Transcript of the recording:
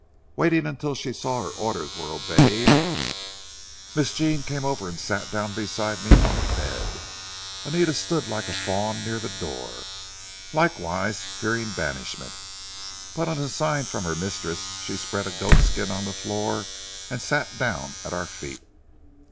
Waiting until she saw that her orders were obeyed, Miss Jean came over and sat down beside me on the bed. Anita stood like a fawn near the door, likewise fearing banishment, but on a sign from her mistress she spread a goatskin on the floor and sat down at our feet.